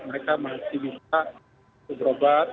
mereka masih bisa berobat